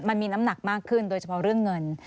มันมีน้ำหนักมากขึ้นโดยเฉพาะเรื่องเงิน